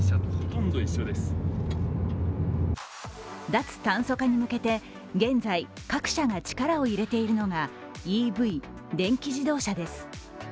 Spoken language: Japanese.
脱炭素化に向けて、現在各社が力を入れているのがＥＶ＝電気自動車です。